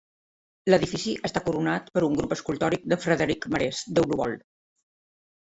L'edifici està coronat per un grup escultòric de Frederic Marés Deulovol.